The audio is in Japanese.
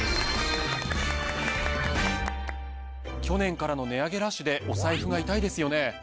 去年からの値上げラッシュでお財布が痛いですよね。